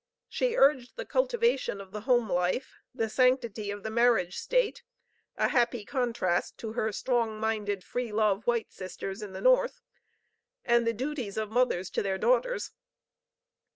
She urged the cultivation of the "home life," the sanctity of the marriage state (a happy contrast to her strong minded, free love, white sisters of the North), and the duties of mothers to their daughters.